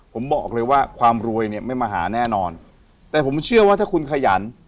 ผมบอกเลยว่าความรวยเนี่ยไม่มาหาแน่นอนแต่ผมเชื่อว่าถ้าคุณขยัน